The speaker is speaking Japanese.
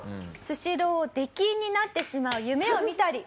スシローを出禁になってしまう夢を見たり。